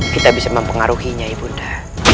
kita bisa mempengaruhinya ibu nda